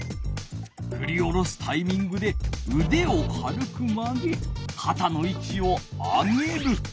ふり下ろすタイミングでうでを軽く曲げかたのいちを上げる。